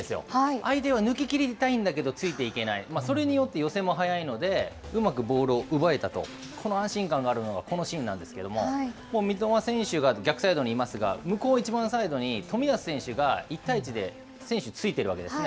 相手は抜ききりたいんだけれども、ついていけない、それによって寄せも早いので、うまくボールを奪えたと、この安心感があるのが、このシーンなんですけど、もう三笘選手が逆サイドにいますが向こう逆サイドに冨安選手が１対１で選手ついてるわけですね。